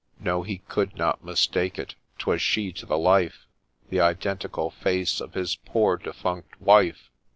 No !— he could not mistake it, — 'twas SHE to the life ! The identical face of his poor defunct Wife